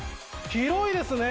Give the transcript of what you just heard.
広いですね！